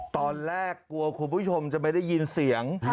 ตอนแรกกลัวคุณผู้ชมจะไม่ได้ยินเสียง